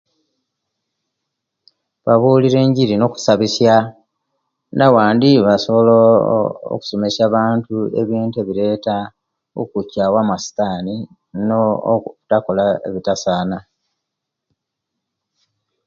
Babulira enjiri nokusabisaya nawandi basobola ooo okusomesiya abantu ebintu ebireta okucawa amasitani nokola ebitasana